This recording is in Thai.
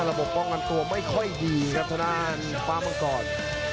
บกป้องกันตัวไม่ค่อยดีครับทางด้านฟ้ามังกร